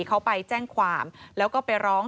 เขาไปแจ้งความแล้วก็ไปร้อง